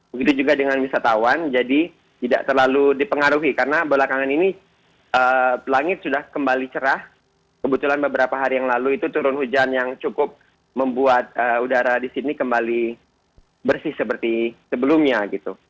begitu juga dengan wisatawan jadi tidak terlalu dipengaruhi karena belakangan ini langit sudah kembali cerah kebetulan beberapa hari yang lalu itu turun hujan yang cukup membuat udara di sini kembali bersih seperti sebelumnya gitu